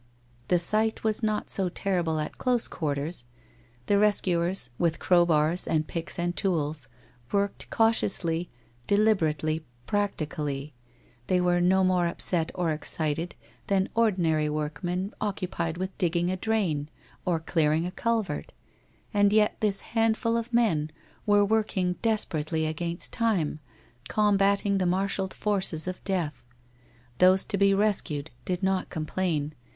The sight was not so terrible at close quarters. The rescuers, with crowbars and picks and tools, worked cau tiously, deliberately, practically, they were no more upset or excited than ordinary workmen occupied with dig ging a drain or clearing a culvert. And yet this hand ful of men were working desperately against time, com bating the marshalled forces of death. Those to be rescued did not complain.